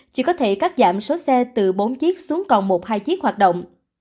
chỉ có thể cắt giảm số xe từ bốn chiếc xuống còn một hai chiếc hoạt động